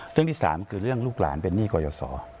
เรื่องที่๓คือเรื่องลูกหลานเป็นหนี้กรยศ